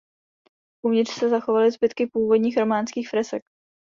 Uvnitř se zachovaly zbytky původních románských fresek.